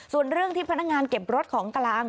ส่วนเรื่องที่พนักงานเก็บรถของกลาง